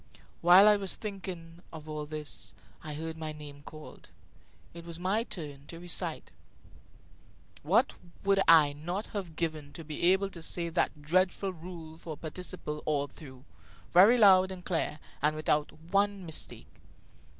While I was thinking of all this, I heard my name called. It was my turn to recite. What would I not have given to be able to say that dreadful rule for the participle all through, very loud and clear, and without one mistake?